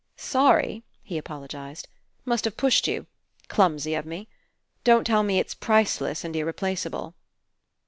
"Sorry," he apologized. "Must have pushed you. Clumsy of me. Don't tell me it's priceless and irreplaceable."